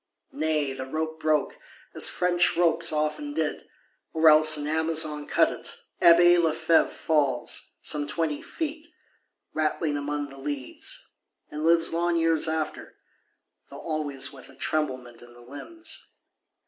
Nay, the rope broke, as French ropes often did; or else an Amazon cut it. Abbé Lefevre falls, some twenty feet, rattling among the leads; and lives long years after, though always with "a tremblement in the limbs."